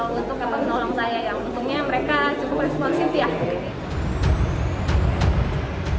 untuk nolong saya yang untungnya mereka cukup respon simpiah